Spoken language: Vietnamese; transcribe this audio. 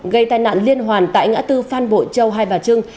gây tai nạn liên hoàn tại ngã tư phan bội châu hai bà trưng